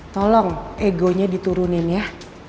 tolong egonya diturunin ya